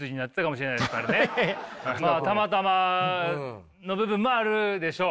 まあたまたまの部分もあるでしょう。